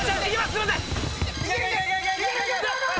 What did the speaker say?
すいません。